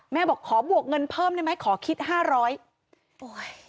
บอกขอบวกเงินเพิ่มได้ไหมขอคิดห้าร้อยโอ้ย